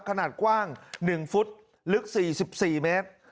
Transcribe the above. ขนาดกว้าง๑ฟุตลึก๔๔เมตร